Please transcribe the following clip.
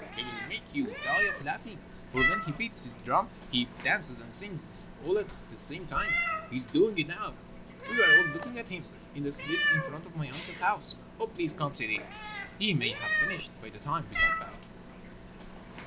He will make you die of laughing, for when he beats his drum he dances and sings all at the same time. He is doing it now; we were all looking at him in the street in front of my uncle's house. Oh, please come, Sidi, he may have finished by the time we get back."